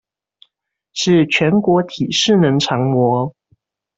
是全國體適能常模